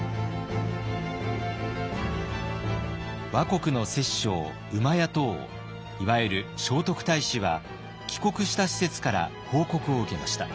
倭国の摂政厩戸王いわゆる聖徳太子は帰国した使節から報告を受けました。